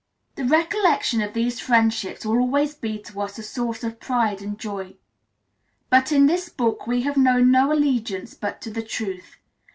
The recollection of these friendships will always be to us a source of pride and joy; but in this book we have known no allegiance but to the truth.